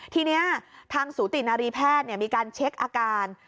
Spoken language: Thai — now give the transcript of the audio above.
ทีนี้ทางสูตินารีแพทย์มีการเช็คอาการ